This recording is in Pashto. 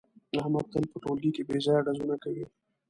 احمد تل په ټولگي کې بې ځایه ډزونه کوي.